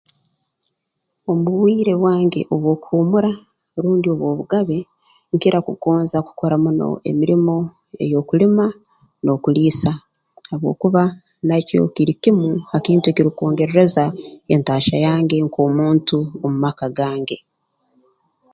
Omu bwire bwange obw'okuhuumura rundi obw'obugabe nkira kugonza kukora muno emirimo ey'okulima n'okuliisa habwokuba nakyo kiri kimu ha kintu ekirukwongerereza entaahya yange nk'omuntu omu maka gange